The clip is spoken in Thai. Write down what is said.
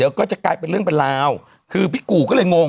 เนี่ยก็ไปเรื่องไปราวคือพี่กู้ก็เลยงง